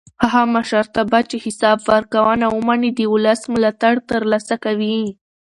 هغه مشرتابه چې حساب ورکوونه ومني د ولس ملاتړ تر لاسه کوي